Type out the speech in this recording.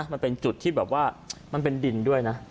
มันเป็นจุดที่แบบว่ามันเป็นดินด้วยนะ